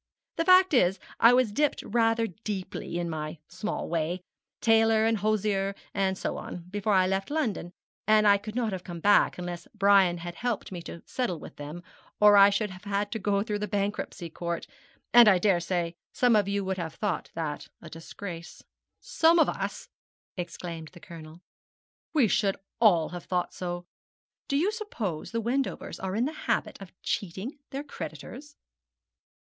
The fact is, I was dipped rather deeply, in my small way tailor, and hosier, and so on before I left London; and I could not have come back unless Brian had helped me to settle with them, or I should have had to go through the Bankruptcy Court; and I daresay some of you would have thought that a disgrace.' 'Some of us!' exclaimed the Colonel; 'we should all have thought so. Do you suppose the Wendovers are in the habit of cheating their creditors?'